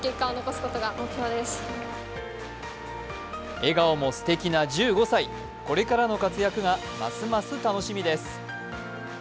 笑顔もすてきな１５歳、これからの活躍がますます楽しみです。